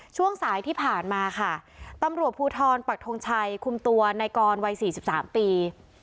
ช่วงสายที่ผ่านมาค่ะตำรวจภูทรปักทงชัยคุมตัวในกรวัย๔๓ปี